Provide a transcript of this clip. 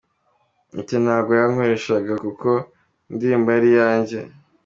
Ati”Ntabwo yankoreshaga kuko indirimbo yari iyanjye.